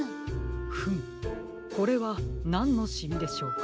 フムこれはなんのシミでしょうか。